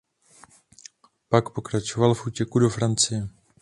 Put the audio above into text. Pak pokračoval v útěku do Francie.